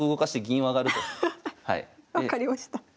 分かりました。